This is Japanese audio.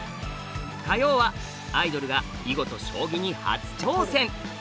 火曜はアイドルが囲碁と将棋に初挑戦！